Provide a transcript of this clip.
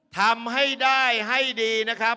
ทำให้ได้ให้ดีนะครับ